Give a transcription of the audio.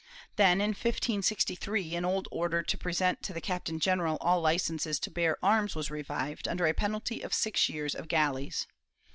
* Then, in 1563, an old order to present to the captain general all licences to bear arms was revived under a penalty of six years of galleys.